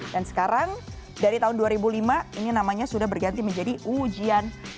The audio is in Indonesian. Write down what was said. dan sekarang dari tahun dua ribu lima ini namanya sudah berganti menjadi ujian nasional